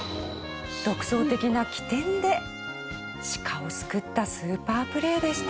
独創的な機転でシカを救ったスーパープレーでした。